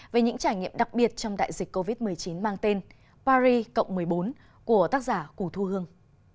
về những trải nghiệm đặc biệt trong đại dịch covid một mươi chín mang tên paris cộng một mươi bốn của tác giả củ thu hương